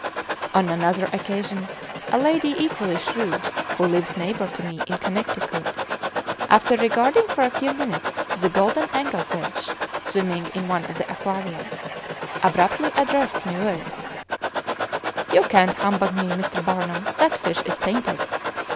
On another occasion, a lady equally shrewd, who lives neighbor to me in Connecticut, after regarding for a few minutes the "Golden Angel Fish" swimming in one of the Aquaria, abruptly addressed me with: "You can't humbug me, Mr. Barnum; that fish is painted!"